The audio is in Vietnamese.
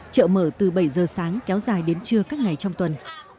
chợ mở từ bảy giờ sáng kéo dài đến trưa các ngày trong tuần